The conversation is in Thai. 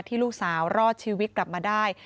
ลูกสาวรอดชีวิตกลับมาได้